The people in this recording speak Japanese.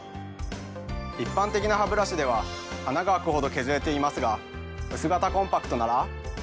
一般的なハブラシでは穴が開くほど削れていますが薄型コンパクトなら。